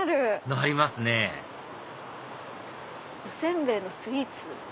なりますねお煎餅のスイーツ？